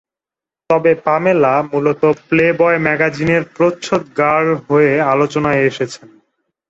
তবে পামেলা মূলত প্লেবয় ম্যাগাজিনের প্রচ্ছদ গার্ল হয়ে আলোচনায় এসেছেন।